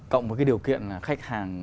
cộng với cái điều kiện là khách hàng